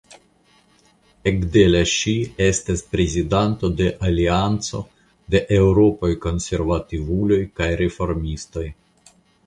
Ekde la ŝi estas prezidanto de la Alianco de Eŭropaj Konservativuloj kaj Reformistoj.